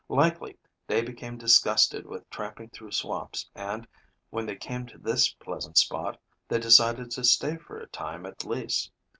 Likely they became disgusted with tramping through swamps, and, when they came to this pleasant spot, they decided to stay for a time at least.